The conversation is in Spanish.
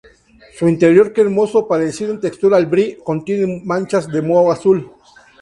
Su interior cremoso, parecido en textura al Brie, contiene manchas de moho azul.